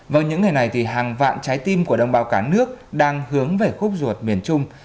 vâng những ngày này thì hàng vạn trái tim của đồng bào cả nước đang hướng về khúc ruột miền trung